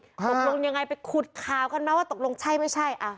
ตกลงยังไงไปขุดข่าวกันนะว่าตกลงใช่ไม่ใช่